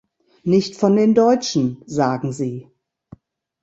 Nicht von den Deutschen, sagen sie.